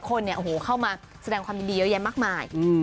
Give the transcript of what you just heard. คนเนี่ยโอ้โหเข้ามาแสดงความดีดีเยอะแยะมากมายอืม